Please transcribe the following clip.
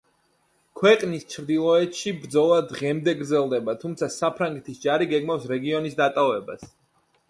ქვეყნის ჩრდილოეთში ბრძოლა დღემდე გრძელდება, თუმცა საფრანგეთის ჯარი გეგმავს რეგიონის დატოვებას.